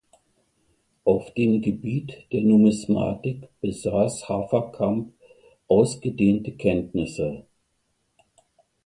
Auf dem Gebiet der Numismatik besaß Haverkamp ausgedehnte Kenntnisse.